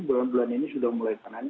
bulan bulan ini sudah mulai tenang